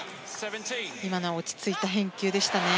今のは落ち着いた返球でしたね。